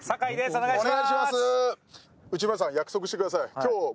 お願いします。